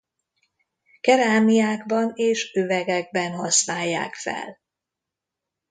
Kerámiákban és üvegekben használják fel.